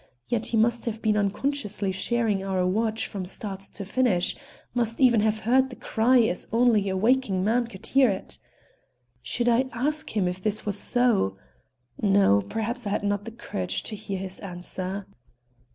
Yet he must have been unconsciously sharing our watch from start to finish; must even have heard the cry as only a waking man could hear it. Should I ask him if this was so? No. Perhaps I had not the courage to hear his answer.